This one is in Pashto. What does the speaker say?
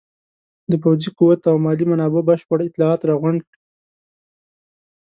د پوځي قوت او مالي منابعو بشپړ اطلاعات راغونډ کړي.